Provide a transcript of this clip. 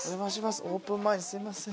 オープン前にすいません。